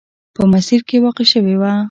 په مسیر کې واقع شوې وه.